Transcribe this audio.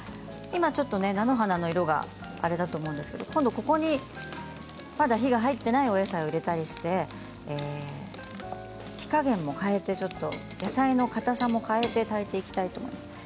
今、菜の花の色があれだと思うんですけれども今度はここに、まだ火が入っていないお野菜を入れたりして火加減も変えて野菜のかたさも変えて炊いていきたいと思います。